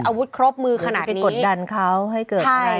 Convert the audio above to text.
อาวุฒิควบมือขนาดนี้จิตกดดันเขาให้เกิดยังไง